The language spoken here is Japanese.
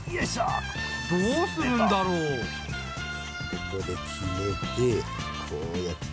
ここで決めてこうやって。